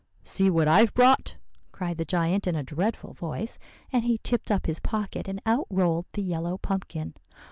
"'See what I've brought,' cried the giant in a dreadful voice; and he tipped up his pocket, and out rolled the yellow pumpkin.